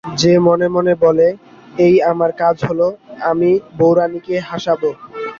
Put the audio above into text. সে মনে মনে বললে, এই আমার কাজ হল, আমি বউরানীকে হাসাব।